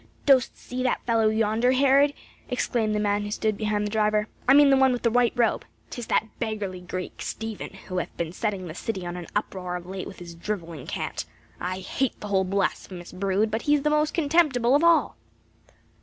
"Dost see that fellow yonder, Herod?" exclaimed the man who stood behind the driver. "I mean the one with the white robe. 'Tis that beggarly Greek, Stephen, who hath been setting the city on an uproar of late with his driveling cant. I hate the whole blasphemous brood, but he is most contemptible of all."